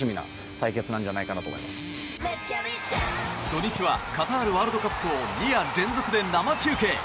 土日はカタールワールドカップを２夜連続で生中継！